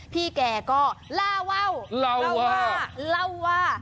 พี่แก่ก็ลาวาวลาวาลาวา